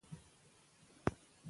باید خپل ځان ته پام وکړي.